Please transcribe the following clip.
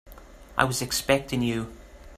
I was expecting you.